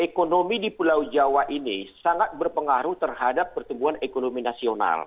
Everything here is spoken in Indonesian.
ekonomi di pulau jawa ini sangat berpengaruh terhadap pertumbuhan ekonomi nasional